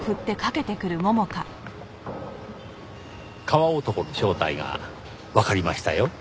川男の正体がわかりましたよ。